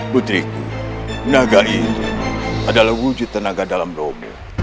putriku naga ini adalah wujud tenaga dalam romo